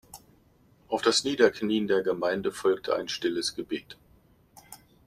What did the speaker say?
Auf das Niederknien der Gemeinde folgt ein stilles Gebet.